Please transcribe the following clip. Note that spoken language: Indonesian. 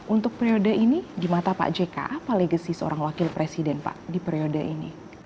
untuk periode ini di mata pak jk apa legacy seorang wakil presiden pak di periode ini